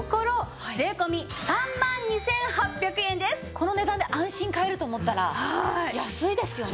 この値段で安心買えると思ったら安いですよね。